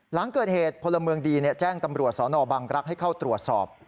หลังเกิดเหตุพลเมืองดีแจ้งตำรวจสนบังรักษ์ให้เข้าตรวจสอบ